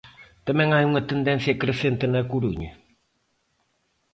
Tamén hai unha tendencia crecente na Coruña.